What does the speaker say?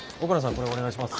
これお願いします。